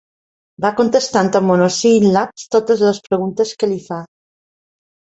Va contestant amb monosíl·labs totes les preguntes que li fa.